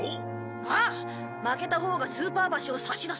ああ負けたほうがスーパー箸を差し出す。